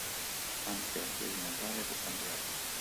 Anche l'albero di Natale fu cambiato.